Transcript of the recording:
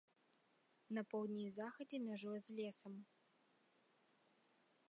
На поўдні і захадзе мяжуе з лесам.